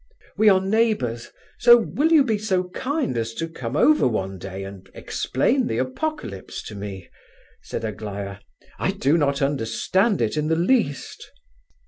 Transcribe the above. "We are neighbours, so will you be so kind as to come over one day and explain the Apocalypse to me?" said Aglaya. "I do not understand it in the least."